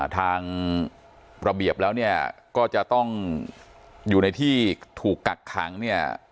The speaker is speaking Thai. ทางระเบียบแล้วเนี่ยก็จะต้องอยู่ในที่ถูกกักขังเนี่ย